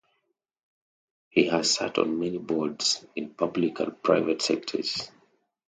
He has sat on many boards in the public and private sectors.